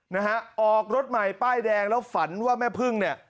นะฮะออกรถใหม่ป้ายแดงแล้วฝันว่าแม่พึ่งเนี่ย